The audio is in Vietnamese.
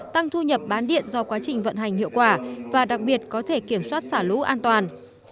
tăng thu nhập bán điện do quá trình vận hành hiệu quả và đặc biệt có thể kiểm soát xả lũ an toàn